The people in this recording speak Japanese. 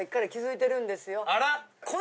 あら！？